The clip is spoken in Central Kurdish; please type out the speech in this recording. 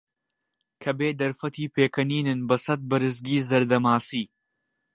کەبێ دەرفەتی پێکەنینن بەسەد بەرزگی زەردە ماسی